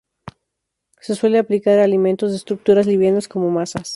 Se suele aplicar a alimentos de estructuras livianas como masas.